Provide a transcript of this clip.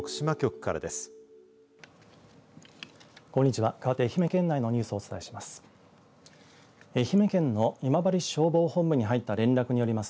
かわって愛媛県内のニュースをお伝えします。